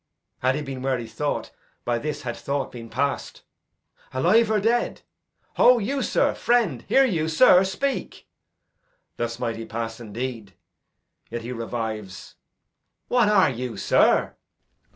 Had he been where he thought, By this had thought been past. Alive or dead? Ho you, sir! friend! Hear you, sir? Speak! Thus might he pass indeed. Yet he revives. What are you, sir?